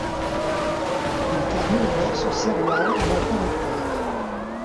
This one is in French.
Il termine alors son sérial en un temps record.